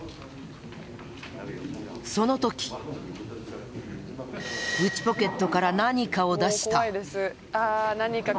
その時内ポケットから何かを出した。